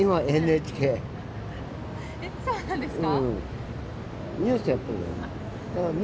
えっそうなんですか